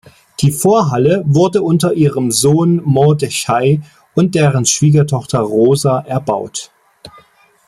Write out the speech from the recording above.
Die Vorhalle wurde unter ihrem Sohn Mordechai und deren Schwiegertochter Rosa erbaut.